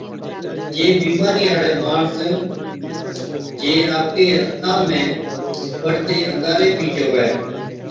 جي بِيمارِي هاڙَي ماڻس جي آپڪي هٿا ۾ ٻڙتي انڱاري بِي چووَي